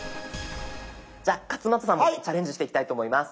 じゃあ勝俣さんもチャレンジしていきたいと思います。